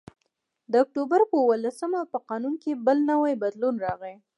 د اکتوبر په اوولسمه په قانون کې بل نوی بدلون راغی